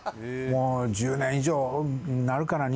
もう１０年以上なるかな。